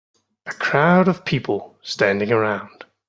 A crowd of people standing around